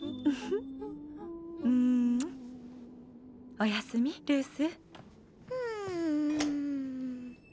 おやすみルース。